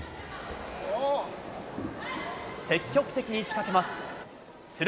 積極的に仕掛けます。